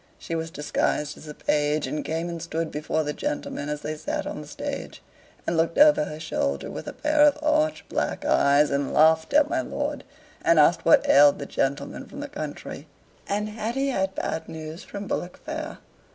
She was disguised as a page, and came and stood before the gentlemen as they sat on the stage, and looked over her shoulder with a pair of arch black eyes, and laughed at my lord, and asked what ailed the gentleman from the country, and had he had bad news from Bullock fair?